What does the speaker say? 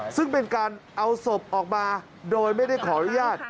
ซึ่งเป็นการเอาศพออกมาโดยไม่ได้ขออนุญาต